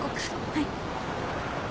はい。